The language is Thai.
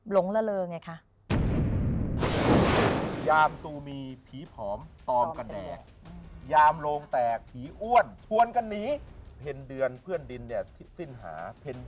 หลงระเลิกไงค่ะ